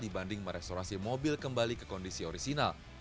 dibanding merestorasi mobil kembali ke kondisi orisinal